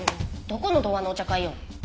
どこの童話のお茶会よ。